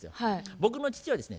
僕の父はですね